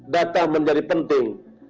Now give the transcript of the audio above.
data menjadi penting